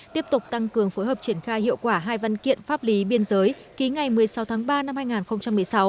tiếp tục tăng cường phối hợp triển khai hiệu quả hai văn kiện pháp lý biên giới ký ngày một mươi sáu tháng ba năm hai nghìn một mươi sáu